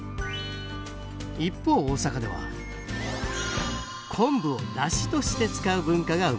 一方大阪では昆布を出汁として使う文化が生まれます。